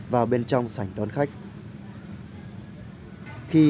vào cổng này